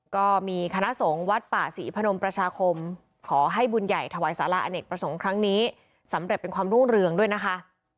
ก็มีคณะสงฆ์วัดป่าศรีพนมประชาคมขอให้บุญใหญ่ถวายสารอเนกประสงค์ครั้งนี้สำเร็จเป็นความรุ่งเรืองด้วยนะคะ